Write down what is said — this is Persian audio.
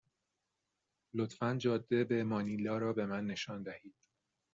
لطفا جاده به مانیلا را به من نشان دهید.